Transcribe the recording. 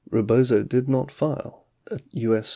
Rebozo did not file a U.S.